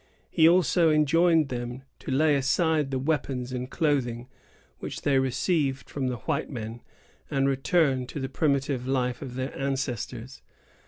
He also enjoined them to lay aside the weapons and clothing which they received from the white men, and return to the primitive life of their ancestors.